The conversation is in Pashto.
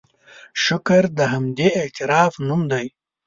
شکر د همدې اعتراف نوم دی.